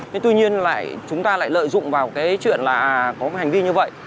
nhưng tuy nhiên lại chúng ta lại lợi dụng vào cái chuyện là có hành vi như vậy